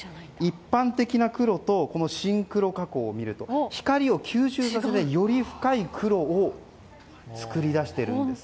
一般的な黒と深黒加工を見ると光を吸収させてより深い黒を作り出してるんです。